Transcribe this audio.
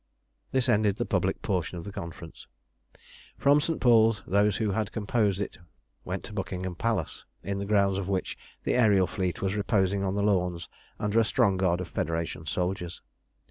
This ended the public portion of the Conference. From St. Paul's those who had composed it went to Buckingham Palace, in the grounds of which the aërial fleet was reposing on the lawns under a strong guard of Federation soldiers.